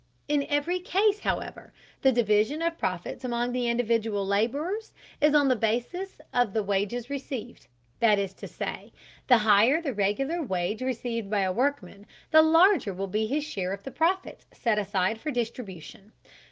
In every case, however, the division of profits among the individual laborers is on the basis of the wages received, that is to say, the higher the regular wage received by a workman, the larger will be his share of the profits set aside for distribution.